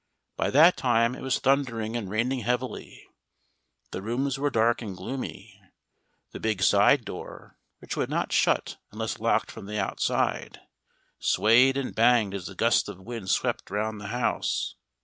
By that time it was thundering and raining heavily. The rooms were dark and gloomy. The big side door, which would not shut unless locked from the outside, swayed and banged as the gusts of wind swept round the house.